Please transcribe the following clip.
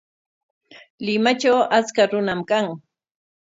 Limatraw achka runam kan.